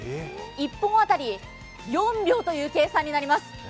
１本当たり４秒という計算になります。